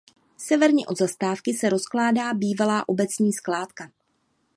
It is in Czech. Severně od zastávky se rozkládá bývalá obecní skládka.